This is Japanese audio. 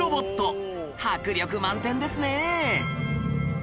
迫力満点ですねえ